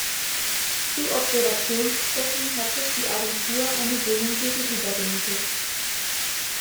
Zu Observationszwecken hat sich die Agentur eine Wohnung gegenüber gemietet.